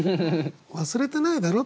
忘れてないだろ？